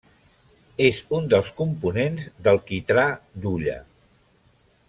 És un dels components del quitrà d’hulla.